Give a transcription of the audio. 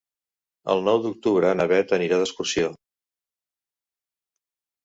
El nou d'octubre na Bet anirà d'excursió.